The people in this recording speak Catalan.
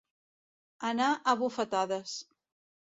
Anar a bufetades.